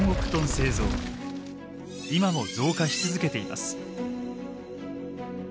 今も増加し続けています。